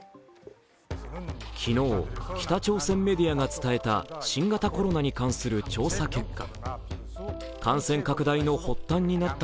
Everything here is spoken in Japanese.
昨日北朝鮮メディアが伝えた新型コロナに関する調査結果。